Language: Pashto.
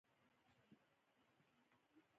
هغه د اوسپنې پټلۍ د مینډلینډ په لور پرې کړه.